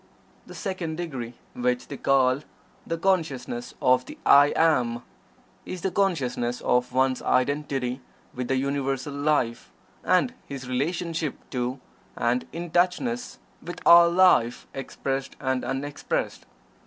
The second degree, which they call "the Consciousness of the 'I AM'," is the consciousness of one's identity with the Universal Life, and his relationship to, and "in touchness" with all life, expressed and unexpressed.